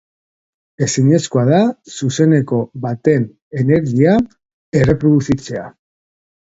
Ezinezkoa da zuzeneko baten energia erreproduzitzea.